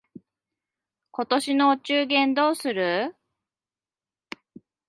今年のお中元どうする？